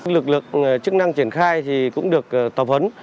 lực lực chức năng triển khai thì cũng được tòa phấn